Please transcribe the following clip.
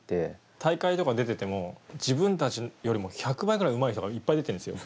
大会とか出てても自分たちよりも１００倍ぐらいうまい人がいっぱい出てるんですよ。